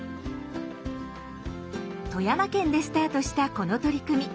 富山県でスタートしたこの取り組み。